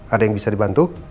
ada yang bisa dibantu